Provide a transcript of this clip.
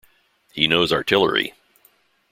He knows artillery!